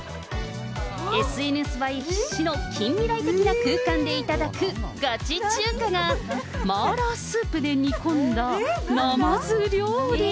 ＳＮＳ映え必至の近未来的な空間で頂くガチ中華が、マーラースープで煮込んだ、ナマズ料理。